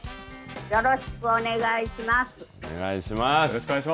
よろしくお願いします。